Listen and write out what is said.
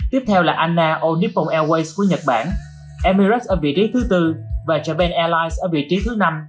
tiếp theo là anna o nippon airways của nhật bản emirates ở vị trí thứ bốn và japan airlines ở vị trí thứ năm